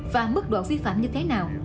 và mức độ vi phạm như thế nào